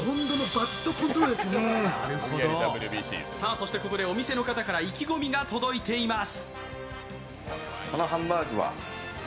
そしてここでお店の方から意気込みが届いています。